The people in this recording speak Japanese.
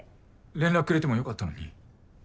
連絡くれてもよかったのに。